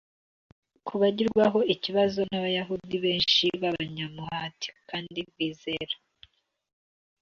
bukagirwaho ikibazo n’Abayahudi benshi b’abanyamuhati kandi bizera.